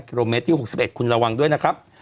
กิโลเมตรที่๖๑คุณระวังด้วยนะครับ